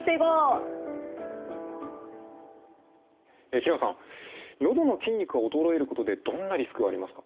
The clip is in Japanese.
平野さんのどの筋肉が衰えることでどんなリスクがありますか？